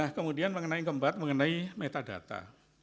nah kemudian mengenai keempat mengenai metadata